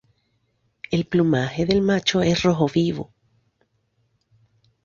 El plumaje del macho es rojo vivo.